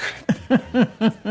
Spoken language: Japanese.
フフフフ。